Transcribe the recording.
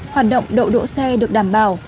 hoạt động đậu đỗ xe được đảm bảo